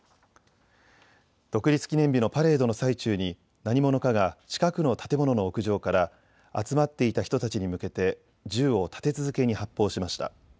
独立記念日のパレードの最中に何者かが近くの建物の屋上から集まっていた人たちに向けて銃を立て続けに発砲しました。